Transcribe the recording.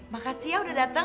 makasih ya udah datang